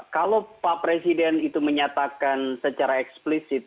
kalau pak presiden itu menyatakan secara eksplisit